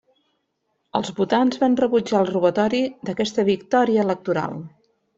Els votants van rebutjar el robatori d'aquesta victòria electoral.